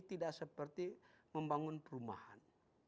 tidak seperti membangun perumahan